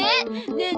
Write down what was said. ねえ